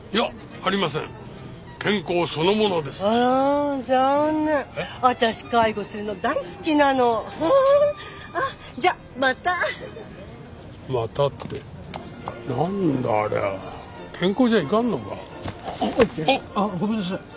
あっ！あっごめんなさい。